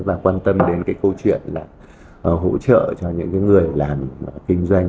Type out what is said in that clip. và quan tâm đến cái câu chuyện là hỗ trợ cho những người làm kinh doanh